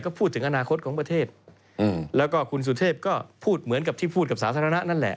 ก็พูดถึงอนาคตของประเทศแล้วก็คุณสุเทพก็พูดเหมือนกับที่พูดกับสาธารณะนั่นแหละ